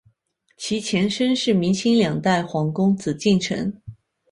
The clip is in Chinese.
其前身是明清两代皇宫紫禁城。